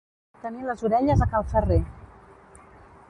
Tenir les orelles a cal ferrer.